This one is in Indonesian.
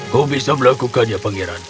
kau bisa melakukannya pangeran